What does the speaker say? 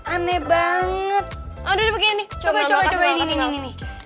aneh banget aduh begini coba coba ini